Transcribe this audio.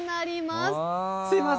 すいません。